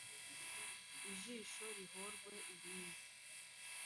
ijisho rihorwe irindi,